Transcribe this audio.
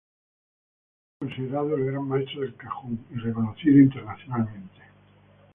Fue considerado el gran maestro del cajón y reconocido internacionalmente.